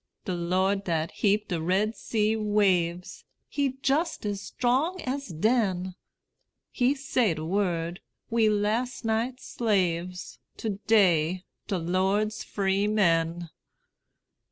De Lord dat heap de Red Sea waves, He jus' as 'trong as den; He say de word: we las' night slaves; To day, de Lord's free men.